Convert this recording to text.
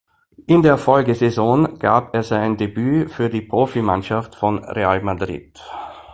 In der Folgesaison gab er sein Debüt für die Profimannschaft von Real Madrid.